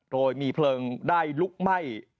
โดยมีเพลิงได้ลุกไหม้